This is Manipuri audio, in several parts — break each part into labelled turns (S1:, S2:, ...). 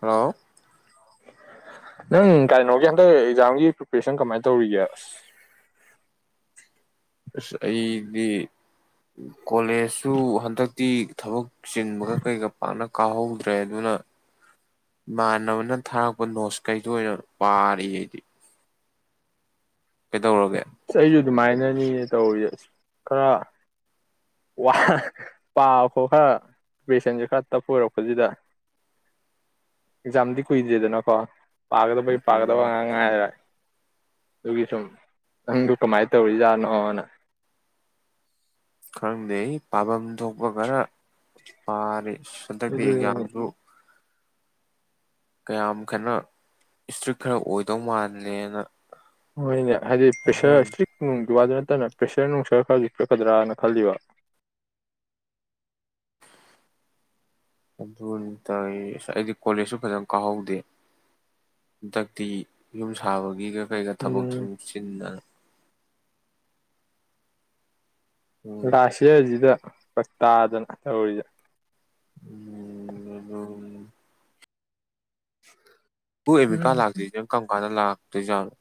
S1: ꯍꯂꯣ
S2: ꯅꯪ ꯀꯔꯤꯅꯣꯒꯤ ꯍꯟꯗꯛ ꯑꯦꯛꯖꯥꯝꯒꯤ ꯄ꯭ꯔꯤꯄꯔꯦꯁꯟ ꯀꯃꯥꯏꯅ ꯇꯧꯔꯤꯒꯦ ꯑꯁ
S1: ꯑꯁ ꯑꯩꯗꯤ ꯀꯣꯂꯦꯖꯁꯨ ꯍꯟꯗꯛꯇꯤ ꯊꯕꯛ ꯆꯤꯡꯕꯒ ꯀꯩꯒ ꯄꯥꯛꯅ ꯀꯥꯎꯍꯧꯗ꯭ꯔꯦ ꯑꯗꯨꯅ ꯏꯃꯥꯟꯅꯕꯅ ꯊꯥꯔꯛꯄ ꯅꯣꯠꯁ ꯀꯩꯗ ꯑꯣꯏꯅ ꯄꯥꯔꯤ ꯑꯩꯗꯤ ꯀꯗꯧꯔꯒꯦ
S2: ꯑꯁ ꯑꯩꯁꯨ ꯑꯗꯨꯃꯥꯏꯅꯅꯤ ꯇꯧꯔꯤꯁꯦ ꯑꯁ ꯈꯔ ꯋꯥ ꯄꯥꯕ ꯈꯣꯠꯄ ꯈꯔ ꯄ꯭ꯔꯤꯄꯔꯦꯁꯟꯁꯦ ꯈꯔ ꯇꯞ ꯑꯣꯏꯔꯛꯄꯁꯤꯗ ꯑꯦꯛꯖꯥꯝꯗꯤ ꯀꯨꯏꯗ꯭ꯔꯦꯗꯅꯀꯣ ꯄꯥꯒꯗꯕꯩ ꯄꯥꯒꯗꯕ
S1: ꯎꯝ
S2: ꯉꯥꯛ ꯉꯥꯏꯔꯦꯗ ꯗꯨꯒꯤ ꯁꯨꯝ ꯅꯪꯗꯨ ꯀꯃꯥꯏꯅ ꯇꯧꯔꯤꯖꯥꯠꯅꯣꯅ
S1: ꯈꯪꯗꯦ ꯑꯩ ꯄꯥꯐꯝ ꯊꯣꯛꯄ ꯈꯔ ꯄꯥꯔꯤ ꯑꯁ ꯍꯟꯗꯛꯇꯤ
S2: ꯑꯗꯨꯅꯤꯅꯦ
S1: ꯑꯦꯛꯖꯥꯝꯁꯨ ꯀꯌꯥꯝ ꯀꯟꯅ ꯏꯁꯇ꯭ꯔꯤꯛ ꯈꯔ ꯑꯣꯏꯗꯧ ꯃꯥꯜꯂꯦꯅ
S2: ꯍꯣꯏꯅꯦ ꯍꯥꯏꯗꯤ ꯄ꯭ꯔꯦꯁꯔ
S1: ꯍꯥꯏꯅꯔꯝꯃꯤ
S2: ꯏꯁꯇ꯭ꯔꯤꯛ ꯅꯨꯡ ꯑꯗꯨ ꯋꯥꯗꯨ ꯅꯠꯇꯅ ꯄ꯭ꯔꯦꯁꯔ ꯅꯨꯡꯁꯥ ꯈꯔꯁꯨ ꯄꯤꯛꯀꯗ꯭ꯔꯥꯅ ꯈꯜꯂꯤꯕ
S1: ꯑꯗꯨꯅꯤ ꯇꯧꯔꯤꯁꯦ ꯑꯁ ꯑꯩꯗꯤ ꯀꯣꯂꯦꯖꯁꯨ ꯐꯖꯅ ꯀꯥꯎꯍꯧꯗꯦ ꯍꯟꯗꯛꯇꯤ ꯌꯨꯝ ꯁꯥꯕꯒꯤꯒ ꯀꯩꯒ ꯊꯕꯛꯇꯨ
S2: ꯎꯝ
S1: ꯆꯤꯟꯗꯅ ꯎꯝ
S2: ꯂꯥꯁ꯭ꯇ ꯌꯥꯔꯖꯤꯗ ꯐꯔꯛ ꯇꯥꯗꯅ ꯇꯣꯔꯤꯁꯦ
S1: ꯎꯝ ꯑꯗꯨ
S2: [unintelligible]
S1: ꯇꯨ ꯑꯦꯗꯃꯤꯠ
S2: ꯎꯝ
S1: ꯀ꯭ꯔꯥꯗ ꯂꯥꯛꯇꯦ ꯀꯔꯝ ꯀꯥꯟꯗ ꯂꯥꯛ [unintelligible]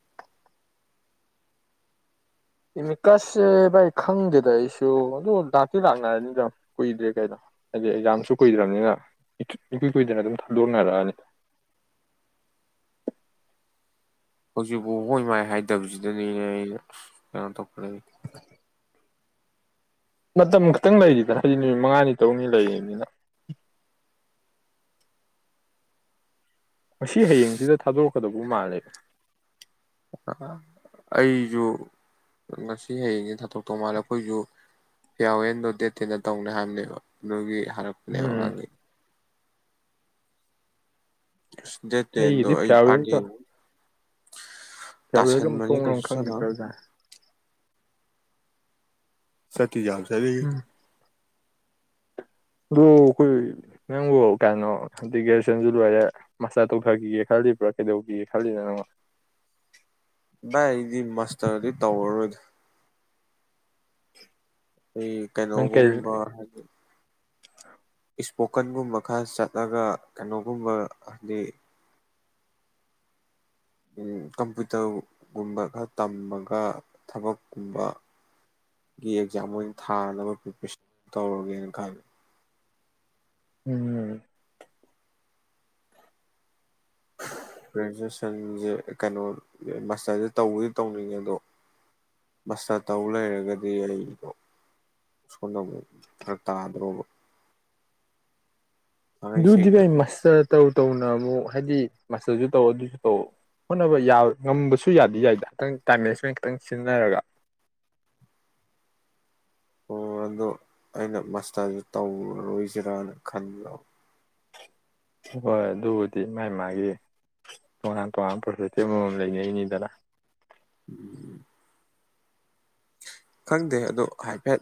S2: ꯏꯃꯤꯠꯀ꯭ꯔꯥꯗꯁꯦ ꯚꯥꯏ ꯈꯪꯗꯦꯗ ꯑꯩꯁꯨ ꯑꯗꯨ ꯂꯥꯛꯇꯤ ꯂꯥꯛꯅꯔꯅꯤꯗ ꯀꯨꯏꯗ꯭ꯔꯦ ꯀꯩꯅꯣ ꯍꯥꯏꯗꯤ ꯑꯦꯛꯖꯥꯝꯁꯨ ꯀꯨꯏꯗ꯭ꯔꯕꯅꯤꯅ ꯏꯀꯨꯏ ꯀꯨꯏꯗꯅ ꯑꯗꯨꯝ ꯊꯥꯗꯣꯛꯅꯔꯛꯑꯅꯤ
S1: ꯍꯧꯖꯤꯛꯐꯥꯎ ꯍꯣꯏ ꯃꯥꯏ ꯍꯥꯏꯗꯕꯁꯤꯗꯅꯤꯅꯦ ꯑꯩꯅ ꯀꯩꯅꯣ ꯇꯧ ꯎꯝ
S2: ꯃꯇꯝ ꯈꯤꯇꯪ ꯂꯩꯔꯤꯗꯅ ꯍꯥꯏꯗꯤ ꯅꯨꯃꯤꯠ ꯃꯉꯥꯅꯤ ꯇꯔꯨꯛꯅꯤ ꯂꯩꯔꯤꯗꯅ ꯉꯁꯤ ꯍꯌꯦꯡꯁꯤꯗ ꯊꯥꯗꯣꯛ
S1: ꯑꯩꯁꯨ ꯉꯁꯤ ꯍꯌꯦꯡꯁꯦ ꯊꯥꯗꯣꯛ ꯇꯧ ꯃꯥꯜꯂꯦ ꯑꯩꯈꯣꯏꯁꯨ ꯌꯥꯎꯋꯦꯗꯣ ꯗꯦꯠ ꯇꯦꯟꯗ ꯇꯧꯅꯤ ꯍꯥꯏꯕꯅꯦꯕ ꯑꯗꯨꯒꯤ ꯐꯥꯔꯠꯄꯅꯦ
S2: ꯎꯝ
S1: ꯑꯉꯥꯡꯒꯩ ꯑꯁ ꯗꯦꯇꯇꯦꯟꯗꯣ
S2: ꯑꯩꯒꯤꯗꯤ
S1: ꯑꯩ ꯕ꯭ꯔꯥꯗꯗꯦꯅꯤ
S2: ꯐꯦꯌꯔꯋꯦꯜꯒ ꯃꯊꯣꯡ ꯃꯔꯝ ꯈꯪꯈꯤꯗ꯭ꯔꯦ
S1: ꯆꯠꯂꯔꯣꯏ
S2: ꯑꯣꯖꯥ
S1: ꯁꯠꯇꯤ ꯌꯥꯝ ꯆꯠꯅꯤꯡꯏ
S2: ꯑꯗꯣ ꯑꯩꯈꯣꯏ ꯅꯪꯕꯨ ꯀꯩꯅꯣ ꯍꯥꯏꯗꯤ ꯒ꯭ꯔꯦꯖꯨꯋꯦꯁꯟꯁꯨ ꯂꯣꯏꯔꯦ ꯃꯁꯇꯔ ꯇꯧꯊꯈꯤꯒꯦ ꯈꯜꯂꯤꯕ꯭ꯔꯥ ꯀꯩꯗꯧꯈꯤꯒꯦ ꯈꯜꯂꯤꯅ ꯅꯪ
S1: ꯚꯥꯏ ꯑꯩꯗꯤ ꯃꯁꯇꯔꯗꯤ ꯇꯧꯔꯔꯣꯏꯗ
S2: [inaudible]
S1: ꯑꯩꯈꯣꯏ ꯀꯩꯅꯣꯒꯨꯝꯕ
S2: ꯑ
S1: ꯏꯁꯄꯣꯀꯟꯒꯨꯝꯕ ꯈꯔ ꯆꯠꯂꯒ ꯀꯩꯅꯣꯒꯨꯝꯕ ꯍꯥꯏꯗꯤ ꯀꯝꯄ꯭ꯌꯨꯇꯔꯒꯨꯝꯕ ꯈꯔ ꯇꯝꯃꯒ ꯊꯕꯛꯀꯨꯝꯕ ꯒꯤ ꯑꯦꯛꯖꯥꯝ ꯑꯣꯏꯅ ꯊꯥꯅꯕ ꯄ꯭ꯔꯤꯄꯔꯦꯁꯟ ꯇꯧꯔꯒꯦꯅ ꯈꯜꯂꯤ
S2: ꯎꯝ
S1: ꯒ꯭ꯔꯦꯖꯨꯑꯦꯁꯟꯁꯦ ꯀꯩꯅꯣ ꯃꯥꯁꯇꯔꯁꯦ ꯇꯧꯕꯗꯤ ꯇꯧꯅꯤꯡꯉꯦ ꯑꯗꯣ ꯃꯥꯁꯇꯔ ꯇꯧ ꯂꯩꯔꯒꯗꯤ ꯑꯩꯗꯣ ꯁꯣꯟꯗ ꯑꯃꯨꯛ ꯐꯔꯛ ꯇꯥꯗ꯭ꯔꯣꯕ ꯊꯥꯡꯉꯩ
S2: ꯑꯗꯨꯗꯤ ꯅꯦ
S1: ꯁꯦꯡꯅ
S2: ꯃꯥꯁꯇ꯭ꯔ ꯇꯧ ꯇꯧꯅ ꯑꯃꯨꯛ ꯍꯥꯏꯗꯤ ꯃꯥꯁꯇꯔꯁꯨ ꯇꯧ ꯑꯗꯨꯁꯨ ꯇꯧ ꯍꯣꯠꯅꯕ ꯉꯝꯕꯁꯨ ꯌꯥꯗꯤ ꯌꯥꯏꯗ ꯈꯤꯇꯪ ꯇꯥꯏꯝ ꯃꯦꯅꯦꯖꯃꯦꯟ ꯈꯤꯇꯪ ꯁꯤꯖꯤꯟꯅꯔꯒ
S1: ꯑꯣ ꯑꯗꯣ ꯑꯩꯅ ꯃꯥꯁꯇꯔꯗꯨ ꯇꯧꯔꯔꯣꯏꯁꯤꯔꯅ ꯈꯟꯕ
S2: ꯍꯣꯏ ꯑꯗꯨꯕꯨꯗꯤ ꯃꯥꯒꯤ ꯃꯥꯒꯤ ꯇꯣꯉꯥꯟ ꯇꯣꯉꯥꯟ ꯄꯣꯔꯁꯨꯂꯤꯇꯤ ꯑꯃꯃꯝ ꯂꯩꯅꯩꯅꯤꯗꯅ
S1: ꯎꯝ ꯈꯪꯗꯦ ꯑꯗꯣ ꯍꯥꯏꯐꯦꯠ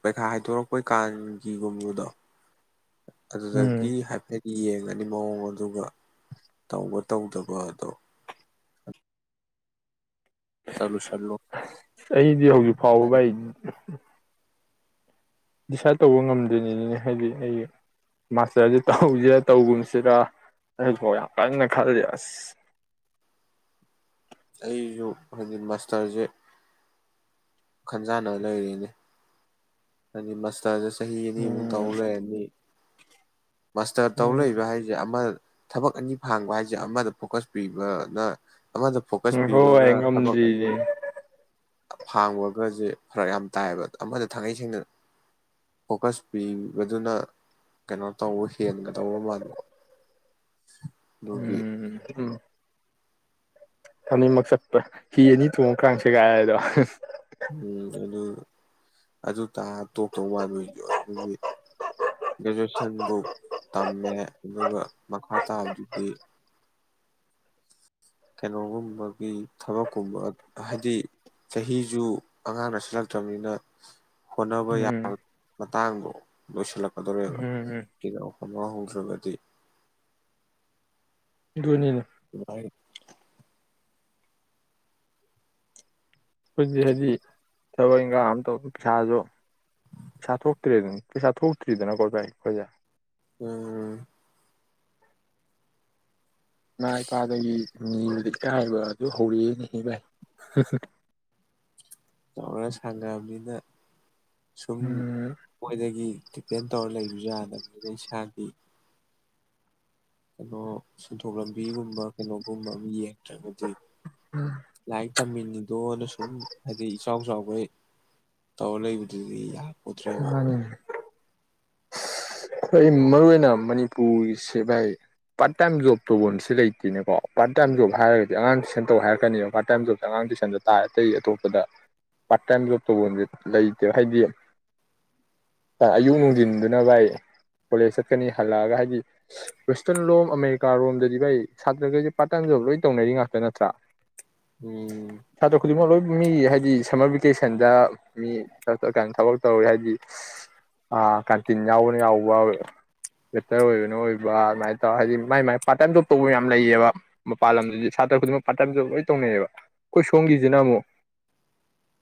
S1: ꯄꯩꯈꯥ ꯍꯥꯏꯗꯣꯔꯛꯄꯩ ꯀꯥꯟꯒꯤꯒꯨꯝꯕꯗꯣ
S2: ꯎꯝ
S1: ꯑꯗꯨꯗꯒꯤ ꯍꯥꯏꯐꯦꯠ ꯌꯦꯡ ꯌꯥꯅꯤ ꯃꯑꯣꯡ ꯑꯗꯨꯒ ꯇꯧꯕ ꯇꯧꯗꯕ ꯑꯗꯣ ꯆꯠꯂꯨꯁꯜꯂꯣ
S2: ꯑꯩꯗꯤ ꯍꯧꯖꯤꯛ ꯐꯥꯎꯕ
S1: ꯍꯥꯏꯔꯤ
S2: ꯕ ꯥꯏ ꯗꯤꯁꯥꯏꯠ ꯇꯧꯕ ꯉꯝꯗꯔꯤꯅꯤꯅꯦ ꯍꯥꯏꯗꯤ ꯑꯩ ꯃꯥꯁꯇꯔꯁꯦ ꯇꯧꯍꯧꯁꯤꯔ ꯇꯧꯒꯨꯝꯁꯤꯔꯥ ꯑꯩ ꯍꯧꯖꯤꯛ ꯐꯥꯎ ꯌꯥꯝ ꯀꯟꯅ ꯈꯜꯂꯤ ꯑꯁ
S1: ꯑꯩꯁꯨ ꯍꯥꯏꯗꯤ ꯃꯥꯁꯇꯔꯁꯦ ꯈꯟꯖꯅꯕ ꯂꯩꯔꯤꯅꯦ ꯍꯥꯏꯗꯤ ꯃꯥꯁꯇꯔꯁꯦ ꯆꯍꯤ ꯑꯅꯤꯃꯨꯛ
S2: ꯎꯝ
S1: ꯇꯧ ꯂꯩꯔꯅꯤ ꯃꯥꯁꯇꯔ ꯇꯧ ꯂꯩꯕ
S2: ꯎꯝ
S1: ꯍꯥꯏꯁꯦ ꯑꯃ ꯊꯕꯛ ꯑꯅꯤ ꯐꯥꯡꯕ ꯍꯥꯏꯁꯦ ꯑꯃꯗ ꯐꯣꯀꯁ ꯄꯤꯕꯅ ꯑꯃꯗ ꯐꯣꯀꯁ ꯄꯤꯕꯒ
S2: ꯍꯣꯏ
S1: ꯊꯕꯛ ꯑꯅꯤ
S2: ꯉꯝꯗ꯭ꯔꯤꯅꯦ
S1: ꯐꯥꯡꯕꯒꯁꯦ ꯐꯔꯛ ꯌꯥꯝ ꯇꯥꯏꯑꯕ ꯑꯃꯗ ꯊꯪꯉꯩꯁꯦꯡ ꯁꯤꯡꯅ ꯐꯣꯀꯁ ꯄꯤꯕꯗꯨꯅ ꯀꯩꯅꯣ ꯇꯧꯕ ꯍꯦꯟꯒꯗꯧꯕ ꯃꯥꯟꯕ ꯑꯗꯨꯒꯤ
S2: ꯎꯝ ꯎꯝ ꯑꯅꯤꯃꯛ ꯆꯠꯄ ꯍꯤ ꯑꯅꯤ ꯊꯣꯡꯉ ꯀꯥꯡ ꯁꯦꯒꯥꯏꯗꯣ꯫
S1: ꯎꯝ ꯑꯗꯨ ꯑꯗꯨ ꯇ ꯇꯣꯛꯇꯧ ꯃꯜꯂꯦ ꯑꯗꯨꯒꯤ ꯒ꯭ꯔꯦꯖꯨꯑꯦꯁꯟꯕꯨ ꯇꯝꯃꯦ ꯑꯗꯨꯒ ꯃꯈꯥ ꯇꯥꯕꯗꯨꯗꯤ ꯀꯩꯅꯣꯒꯨꯝꯕꯒꯤ ꯊꯕꯛꯀꯨꯝꯕ ꯍꯥꯏꯗꯤ ꯆꯍꯤꯁꯨ ꯑꯉꯥꯡ ꯅꯁꯤꯜꯂꯛꯇ꯭ꯔꯕꯅꯤꯅ ꯍꯣꯠꯅꯕ
S2: ꯎꯝ
S1: ꯌꯥꯕ ꯃꯇꯥꯡꯗꯣ ꯂꯣꯏꯁꯤꯜꯂꯛꯀꯗꯧꯔꯦꯕ
S2: ꯎꯝ
S1: ꯁꯤꯅ ꯍꯧꯗ꯭ꯔꯒꯗꯤ
S2: ꯗꯨꯅꯤꯅꯦ
S1: [unintelligible]
S2: ꯑꯩꯈꯣꯏꯁꯤ ꯍꯥꯏꯗꯤ ꯊꯕꯛ ꯏꯪꯈꯥꯡ ꯑꯃ ꯇꯧ ꯄꯩꯁꯥꯁꯨ ꯄꯩꯁꯥ ꯊꯣꯛꯇ꯭ꯔꯦꯗꯅ ꯄꯩꯁꯥ ꯊꯣꯛꯇ꯭ꯔꯤꯗꯅꯀꯣ ꯚꯥꯏ ꯑꯩꯈꯣꯏꯁꯦ꯫
S1: ꯎꯝ
S2: ꯏꯃꯥ ꯏꯄꯥꯗꯒꯤ ꯅꯤꯕꯗ ꯏꯀꯥꯏꯕ ꯑꯗꯨ ꯍꯧꯔꯛꯑꯦꯅꯤ ꯚꯥꯏ
S1: ꯆꯥꯎꯔ ꯁꯪꯉ ꯑꯅꯤꯅ ꯁꯨꯝ
S2: ꯎꯝ
S1: ꯃꯣꯏꯗꯒꯤ ꯗꯤꯄꯦꯟ ꯇꯧꯔꯒ ꯂꯩꯕꯁꯨ ꯌꯥꯗꯅꯤꯅ ꯏꯁꯥꯒꯤ ꯑꯗꯣ ꯁꯦꯟꯊꯣꯛ ꯂꯝꯕꯤꯒꯨꯝꯕ ꯀꯩꯅꯣꯒꯨꯝꯕ ꯑꯃ ꯌꯦꯡꯗ꯭ꯔꯒꯗꯤ ꯂꯥꯏꯔꯤꯛ
S2: [unintelligible]
S1: ꯇꯝꯃꯤꯅꯤꯗꯣꯅ ꯁꯨꯝ ꯍꯥꯏꯗꯤ ꯏꯆꯥꯎ ꯆꯥꯎꯕ ꯇꯧꯔ ꯂꯩꯕꯗꯨꯗꯤ ꯌꯥ
S2: ꯃꯥꯅꯤ ꯑꯣꯏ ꯃꯔꯨ ꯑꯣꯏꯅ ꯃꯅꯤꯄꯨꯔꯁꯦ ꯚꯥꯏ ꯄꯥꯔꯠ ꯇꯥꯏꯝ ꯖꯣꯕ ꯇꯧꯐꯝꯁꯤ ꯂꯩꯇꯦꯅꯀꯣ ꯄꯥꯔꯠ ꯇꯥꯏꯝ ꯖꯣꯕ ꯍꯥꯏꯔꯒꯗꯤ ꯑꯉꯥꯡ ꯇꯨꯏꯁꯟ ꯇꯧ ꯍꯥꯏꯔꯛꯀꯅꯦꯕ ꯄꯥꯔꯠ ꯇꯥꯏꯝ ꯖꯣꯕꯁ ꯑꯉꯥꯡ ꯇꯨꯏꯁꯟꯗ ꯇꯥꯏ ꯑꯇꯩ ꯑꯇꯣꯞꯄꯗ ꯄꯥꯔꯠ ꯇꯥꯏꯝ ꯖꯣꯕ ꯇꯧꯐꯝꯁꯦ ꯂꯩꯇꯦꯕ ꯍꯥꯏꯗꯤ ꯑꯌꯨꯛ ꯅꯨꯡꯁꯤꯟꯗꯨꯅ ꯚꯥꯏ ꯀꯣꯂꯦꯖ ꯆꯠꯀꯅꯤ ꯍꯜꯂꯛꯑꯒ ꯍꯥꯏꯗꯤ ꯋꯦꯁꯇꯔꯟ ꯂꯣꯝ ꯑꯃꯦꯔꯤꯀꯥꯔꯣꯝꯗꯗꯤ ꯚꯥꯏ ꯁꯥꯇ꯭ꯔꯈꯩꯁꯦ ꯄꯥꯔꯠ ꯇꯥꯏꯝ ꯖꯣꯕ ꯂꯣꯏꯅ ꯇꯧꯅꯔꯤ ꯉꯥꯛꯇ ꯅꯠꯇ꯭ꯔꯥ꯫
S1: ꯎꯝ
S2: ꯁꯥꯇ꯭ꯔ ꯈꯨꯗꯤꯡꯃꯛ ꯂꯣꯏ ꯃꯤ ꯍꯥꯏꯗꯤ ꯁꯝꯃꯔ ꯚꯦꯀꯦꯁꯟꯗ ꯃꯤ ꯀ ꯊꯕꯛ ꯇꯧꯔꯤ ꯍꯥꯏꯗꯤ ꯑꯥ ꯀꯥꯟꯇꯤꯟ ꯌꯥꯎꯕꯅ ꯌꯥꯎꯕ ꯋꯦꯇꯔ ꯑꯣꯏꯕꯅ ꯑꯣꯏꯕ ꯑꯗꯨꯃꯥꯏꯅ ꯇꯧꯔꯒ ꯍꯥꯏꯗꯤ ꯃꯥꯏ ꯃꯥꯏ ꯄꯥꯔꯠ ꯇꯥꯏꯝ ꯖꯣꯕ ꯇꯧꯕ ꯌꯥꯝ ꯂꯩꯌꯦꯕ ꯃꯄꯥꯟ ꯂꯝꯗꯗꯤ ꯁꯥꯇ꯭ꯔ ꯈꯨꯗꯤꯡꯃꯛ ꯄꯥꯔꯠ ꯇꯥꯏꯝ ꯖꯣꯕ ꯂꯣꯏ ꯇꯧꯅꯩꯌꯦꯕ ꯑꯩꯈꯣꯏ ꯁꯣꯝꯒꯤꯁꯤꯅ ꯑꯃꯨꯛ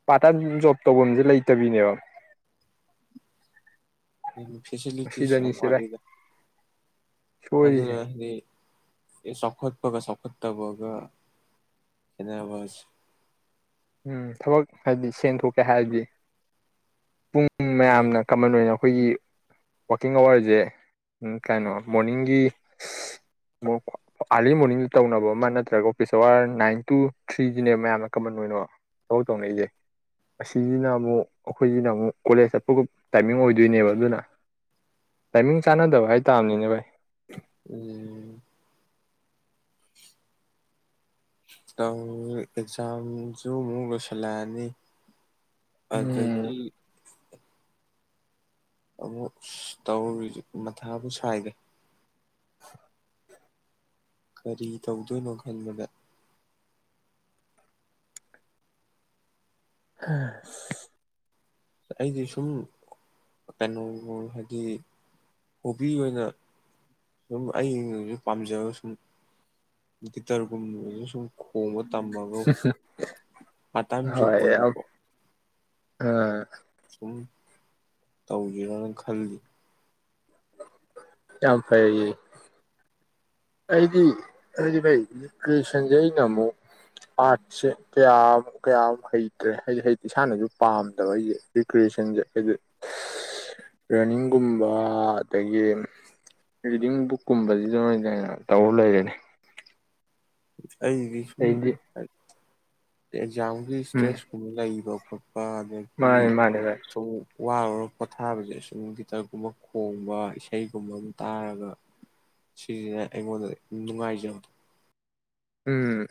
S2: ꯄꯥꯔꯠ ꯇꯥꯏꯝ ꯖꯣꯕ ꯇꯧꯕꯝꯁꯦ ꯂꯩꯇꯕꯤꯅꯦꯕ
S1: ꯎꯝ ꯐꯦꯁꯤꯂꯤꯇꯤꯁ ꯌꯥꯝ
S2: ꯃꯁꯤꯗꯅꯤꯁꯦ ꯚꯥꯏ
S1: ꯋꯥꯠꯂꯤꯗ ꯑꯗꯨꯅ
S2: ꯁꯣꯏꯔꯤꯁꯦ
S1: ꯍꯥꯏꯗꯤ ꯆꯥꯎꯈꯠ ꯄꯒ ꯆꯥꯎꯈꯠꯇꯕꯒ ꯈꯦꯠꯅꯕꯑꯁꯦ
S2: ꯎꯝ ꯊꯕꯛ ꯍꯥꯏꯗꯤ ꯁꯦꯟ ꯊꯣꯛꯀꯦ ꯍꯥꯏꯔꯗꯤ ꯄꯨꯡ ꯎꯝ
S1: ꯃꯤ
S2: ꯃꯌꯥꯝꯅ ꯀꯃꯟ ꯑꯣꯏꯅ ꯑꯩꯈꯣꯏꯒꯤ ꯋꯥꯀꯤꯡ ꯑꯋꯥꯔꯁꯦ ꯀꯩꯅꯣ ꯃꯣꯔꯅꯤꯡꯒꯤ ꯑꯥꯔꯂꯤ ꯃꯣꯔꯅꯤꯡꯗ ꯇꯧꯅꯕ ꯑꯃ ꯅꯠꯇ꯭ꯔꯒ ꯑꯣꯐꯤꯁ ꯑꯋꯥꯔ ꯅꯥꯏꯟ ꯇꯨ ꯊ꯭ꯔꯤꯁꯤꯅꯦꯕ ꯃꯌꯥꯝꯅ ꯀꯃꯟ ꯑꯣꯏꯅ ꯊꯕꯛ ꯇꯧꯅꯩꯁꯦ ꯑꯁꯤꯁꯤꯅ ꯑꯃꯨꯛ ꯑꯈꯣꯏꯁꯤꯅ ꯑꯃꯨꯛ ꯀꯣꯂꯦꯖ ꯆꯠꯄꯒꯤ ꯇꯥꯏꯃꯤꯡ ꯑꯣꯏꯗꯣꯏꯅꯦꯕ ꯑꯗꯨꯅ ꯇꯥꯏꯃꯤꯡ ꯆꯥꯟꯅꯗꯕ ꯍꯥꯏꯇꯥꯥꯕꯅꯤꯅꯦ ꯚꯥꯏ
S1: ꯎꯝ ꯑꯦꯛꯖꯥꯝꯁꯨ ꯑꯃꯨꯛ ꯂꯣꯏꯁꯤꯜꯂꯛꯑꯅꯤ
S2: ꯎꯝ
S1: ꯑꯗꯨꯗꯒꯤ ꯑꯃꯨꯛ ꯑꯁ ꯇꯧꯔꯔꯤꯁꯦ ꯃꯊꯥꯕꯨ ꯁꯥꯏꯗ
S2: [inaudible]
S1: ꯀꯔꯤ ꯇꯧꯗꯣꯏꯅꯣ ꯈꯟꯕꯗ
S2: ꯑꯥ
S1: ꯑꯩꯗꯤ ꯁꯨꯝ ꯀꯩꯅꯣꯒꯨꯝ ꯍꯥꯏꯗꯤ ꯍꯣꯕꯤ ꯑꯣꯏꯅ ꯁꯨꯝ ꯑꯩꯅꯁꯨ ꯄꯥꯝꯖꯕ ꯁꯨꯝ ꯒꯤꯇꯔꯒꯨꯝꯕꯗ ꯁꯨꯝ ꯍꯣꯡꯕ ꯇꯝꯃꯒ ꯄꯔ ꯇꯥꯏꯝ ꯖꯣꯕ
S2: ꯍꯣꯏ ꯌꯥꯝ
S1: ꯑꯣꯏꯅꯀꯣ
S2: ꯑ
S1: ꯇꯧꯒꯦꯔꯣꯅ ꯈꯜꯂꯤ
S2: ꯌꯥꯝ ꯐꯔ ꯑꯩꯗꯤ ꯍꯥꯏꯗꯤꯩ ꯔꯤꯀ꯭ꯔꯤꯌꯦꯁꯟꯁꯦ ꯑꯩꯅ ꯑꯃꯨꯛ ꯑꯥꯔꯠꯁꯦ ꯀꯌꯥꯃꯨꯛ ꯀꯌꯥꯃꯨꯛ ꯍꯩꯇ꯭ꯔꯦ ꯍꯥꯏꯗꯤꯗꯤ ꯏꯁꯥꯅꯁꯨ ꯄꯥꯝꯗꯕ ꯑꯩꯁꯦ ꯔꯤꯀ꯭ꯔꯤꯌꯦꯁꯟꯁꯦ ꯍꯥꯏꯗꯤ ꯔꯟꯅꯤꯡꯒꯨꯝꯕ ꯑꯗꯒꯤ ꯔꯤꯗꯤꯡ ꯕꯨꯛꯀꯨꯝꯕꯁꯤꯗꯩꯅ ꯇꯧ ꯂ ꯂꯩꯔꯅꯦ
S1: [unintelligible] ꯑꯩꯒꯤꯁꯨ ꯑ ꯑꯦꯛꯖꯥꯝꯒꯤ
S2: ꯎꯝ
S1: ꯏꯁꯇ꯭ꯔꯦꯁ ꯀꯨꯝꯕ ꯂꯩꯌꯦꯕꯀ ꯑꯗꯒꯤ
S2: ꯃꯥꯅꯦ ꯃꯥꯅꯦ ꯚꯥꯏ
S1: ꯁꯨꯝ ꯋꯥꯔꯨꯔ ꯄꯣꯊꯥꯕꯁꯦ ꯁꯨꯝ ꯒꯤꯇꯔꯒꯨꯝꯕ ꯈꯣꯡꯕ ꯏꯁꯩꯒꯨꯝꯕ ꯑꯃꯝ ꯇꯥꯔꯒ ꯁꯤꯁꯤꯅ ꯑꯩꯉꯣꯟꯗ ꯅꯨꯡꯉꯥꯏꯖꯕꯗ
S2: ꯎꯝ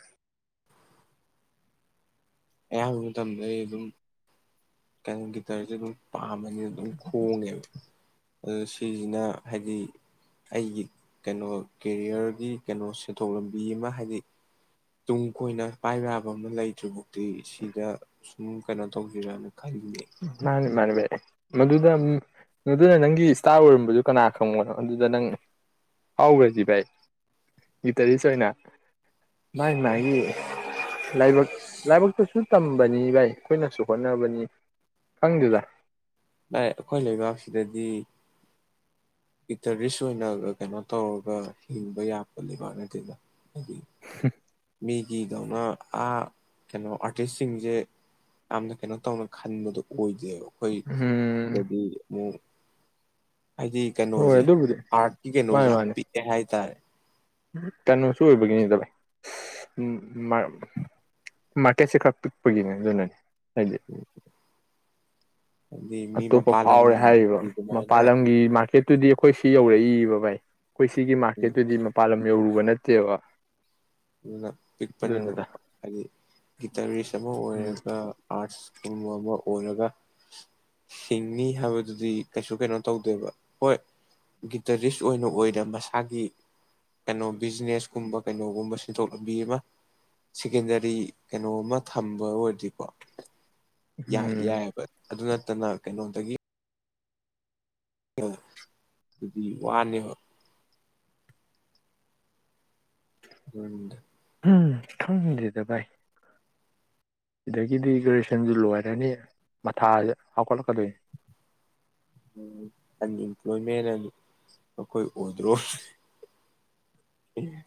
S1: ꯑꯌꯥꯝꯕ ꯃꯇꯝꯗ ꯑꯩ ꯑꯗꯨꯝ ꯀꯩꯅ ꯒꯤ ꯇꯔ ꯑꯥꯃꯅꯤ ꯑꯗꯨꯝ ꯈꯣꯡꯉꯦꯕ ꯑꯗꯨ ꯁꯤꯁꯤꯅ ꯍꯥꯏꯗꯤ ꯑꯩꯒꯤ ꯀꯩꯅꯣ ꯀꯦꯔꯤꯌꯔꯒꯤ ꯀꯩꯅꯣ ꯁꯦꯟꯊꯣꯛ ꯂꯝꯕꯤ ꯑꯃ ꯍꯥꯏꯗꯤ ꯇꯨꯡ ꯀꯣꯏꯅ ꯄꯥꯏꯕ ꯌꯥꯕ ꯑꯃ ꯂꯩꯇ꯭ꯔꯤꯕ ꯁꯤꯗꯥ ꯎꯝ ꯀꯩꯅꯣ ꯇꯧꯁꯤꯔꯅꯦ ꯈꯔꯤꯦ
S2: ꯑꯗꯨꯃꯅ ꯚꯥꯏ ꯃꯗꯨꯗ ꯃꯗꯨꯗ ꯅꯪꯒꯤ ꯏꯁꯇꯥꯔ ꯑꯣꯏꯔꯝꯕꯗꯨ ꯀꯅꯥ ꯈꯪꯕꯅꯣ ꯑꯗꯨꯗ ꯅꯪ ꯍꯥꯎꯈ꯭ꯔꯁꯤ ꯚꯥꯏ ꯒꯤꯇꯔꯤꯁ ꯑꯣꯏꯅ ꯅ ꯂꯥꯏꯕꯛ ꯂꯥꯏꯕꯛꯇꯨꯁꯨ ꯇꯝꯕꯅꯤ ꯚꯥꯏ ꯑꯩꯈꯣꯏꯅꯁꯨ ꯍꯣꯠꯅꯕꯅꯤ ꯍꯪꯗꯗ
S1: ꯑꯩꯈꯣꯏ ꯂꯩꯕꯥꯛꯁꯤꯗꯗꯤ ꯏꯇꯔꯤꯁ ꯑꯣꯏꯅ ꯀꯩꯅꯣ ꯇꯧꯔꯒ ꯍꯤꯡꯕ ꯌꯥꯄ ꯂꯩꯕꯥꯛꯅꯠꯇꯗ ꯍꯥꯏꯗꯤ
S2: [unintelligible]
S1: ꯃꯤꯒꯤꯗꯧꯅ ꯀꯩꯅꯣ ꯑꯥꯔꯇꯤꯁꯁꯤꯡꯁꯦ ꯌꯥꯝꯅ ꯀꯩꯅꯣ ꯇꯧꯅ ꯈꯟꯕꯗꯣ ꯑꯣꯏꯗꯦꯕꯀꯣ ꯍꯣꯏ
S2: ꯎꯝ
S1: ꯍꯥꯏꯗꯤ ꯍ ꯍꯥꯏꯗꯤ
S2: ꯍꯣꯏ
S1: ꯀꯩꯅꯣꯁꯦ
S2: ꯑꯗꯨꯕꯨꯗꯤ
S1: ꯑꯥꯔꯠꯀꯤ
S2: ꯃꯥꯅꯦ
S1: ꯀꯩꯅꯣꯁꯦ ꯌꯥꯝ
S2: ꯃꯥꯅꯦ
S1: ꯄꯤꯛꯑꯦ ꯍꯥꯏꯇꯥꯔꯦ
S2: ꯀꯩꯅꯣꯁꯨ ꯑꯣꯏꯕꯒꯤꯅꯤꯗꯚꯥꯏ ꯃꯥꯔꯀꯦꯠꯁꯦ ꯈꯔ ꯄꯤꯛꯄꯒꯤꯅꯤ ꯑꯗꯨꯅꯅꯤ ꯍꯥꯏꯦ
S1: ꯍꯥꯏꯗꯤ ꯃꯤ
S2: ꯑꯇꯣꯞꯄ
S1: ꯃꯄꯥꯟ
S2: ꯐꯥꯎꯔꯦ ꯍꯥꯏꯔꯤꯕ
S1: ꯂꯝꯒꯤ ꯑꯗꯨꯃꯥꯏꯅ
S2: ꯃꯄꯥꯟ ꯂꯝꯒꯤ ꯃꯥꯔꯀꯦꯠ ꯇꯨꯗꯤ ꯑꯩꯈꯣꯏ ꯁꯤ ꯌꯧꯔꯛꯏꯕ ꯚꯥꯏ ꯑꯩꯈꯣꯏ ꯁꯤꯒꯤ ꯃꯥꯔꯀꯦꯠꯇꯨꯗꯤ ꯃꯄꯥꯟ ꯂꯝ ꯌꯧꯔꯨꯕ ꯅꯠꯇꯦꯕ
S1: ꯑꯗꯨꯅ ꯄꯤꯛꯄꯅꯤꯅ
S2: ꯑꯗꯨꯅꯤꯗ
S1: ꯍꯥꯏꯗꯤ ꯒꯤꯇꯔꯤꯁ ꯑꯃ
S2: ꯎꯝ
S1: ꯑꯣꯏꯔꯒ ꯑꯥꯔꯠꯁ ꯒꯨꯝꯕ ꯑꯃ ꯑꯣꯏꯔꯒ ꯁꯤꯡꯅꯤ ꯍꯥꯏꯕꯗꯨꯗꯤ ꯀꯩꯁꯨ ꯀꯩꯅꯣ ꯇꯧꯗꯦꯕ ꯍꯣꯏ ꯒꯤꯇꯔꯤꯁ ꯑꯣꯏꯅ ꯑꯣꯏꯅ ꯃꯁꯥꯒꯤ ꯀꯩꯅꯣ ꯕꯤꯖꯤꯅꯦꯁ ꯀꯨꯝꯕ ꯀꯩꯅꯣꯒꯨꯝꯕꯁ ꯁꯦꯟꯊꯣꯛ ꯂꯝꯕꯤ ꯑꯃ ꯁꯦꯀꯦꯟꯗꯔꯤ ꯀꯩꯅꯣꯃ ꯊꯝꯕ ꯑꯣꯏꯔꯗꯤꯀꯣ ꯌꯥꯏ ꯌꯥꯏꯑꯕ ꯑꯗꯨꯅ [unintelligible] ꯀꯩꯅꯣꯗꯒꯤ ꯑ ꯑꯗꯨꯗꯤ ꯋꯥꯅꯦꯕ ꯍꯝ
S2: ꯎꯝ ꯈꯪꯗꯦꯗ ꯚꯥꯏ ꯁꯤꯗꯒꯤꯗꯤ ꯒ꯭ꯔꯦꯖꯨꯑꯦꯁꯟꯁꯤ ꯂꯣꯏꯔꯅꯤ ꯃꯊ ꯍꯧꯀꯠꯂꯛꯀꯗꯣꯏ
S1: ꯎ ꯑꯟꯏꯝꯄ꯭ꯂꯣꯏꯃꯦꯟ ꯑꯩꯈꯣꯏ ꯑꯣꯏꯗ꯭ꯔꯣ ꯎꯝ